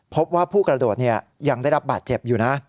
พบว่าผู้กระโดดยังได้รับบาดเจ็บอยู่นะ